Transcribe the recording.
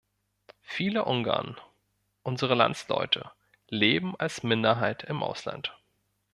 Viele Ungarn, unsere Landsleute, leben als Minderheit im Ausland.